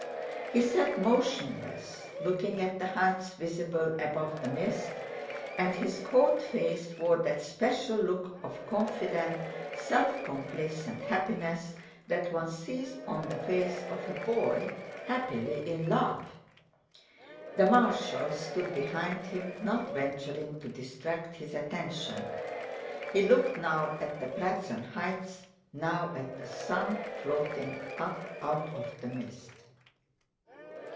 He sat motionless, looking at the heights visible above the mist, and his cold face wore that special look of confident, self complacent happiness that one sees on the face of a boy happily in love. The marshals stood behind him not venturing to distract his attention. He looked now at the Pratzen Heights, now at the sun floating up out of the mist.